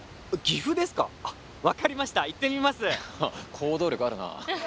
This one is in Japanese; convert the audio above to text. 行動力あるなあ。